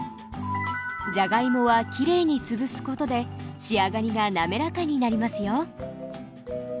じゃがいもはきれいにつぶすことで仕上がりが滑らかになりますよ。